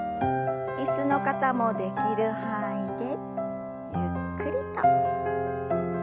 椅子の方もできる範囲でゆっくりと。